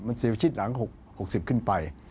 มันเสียชิดหลัง๖๐ขึ้นไป